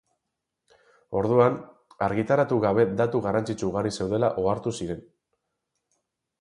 Orduan, argitaratu gabe datu garrantzitsu ugari zeudela ohartu ziren.